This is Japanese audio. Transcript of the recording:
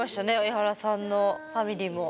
エハラさんのファミリーも。